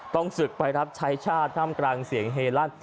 ต้องสึกไปรับชายชาติทำกลางเสียงเหราะ